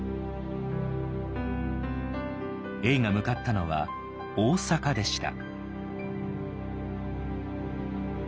永が向かったのは大阪でした。